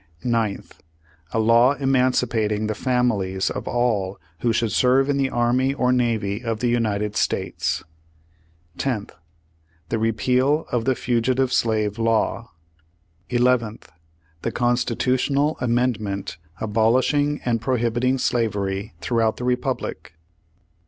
"Ninth. A law emancipating the families of all who should serve in the army or navy of the United States, "Tenth. The repeal of the Fugitive slave law. "Eleventh. The constitutional amendment abolishing and prohibiting slavery throughout the Republic."